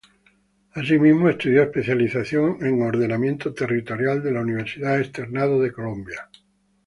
Así mismo, estudió especialización en Ordenamiento Territorial de la Universidad Externado de Colombia.